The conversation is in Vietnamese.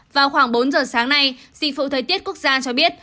vào khoảng bốn giờ sáng nay dịch vụ thời tiết quốc gia cho biết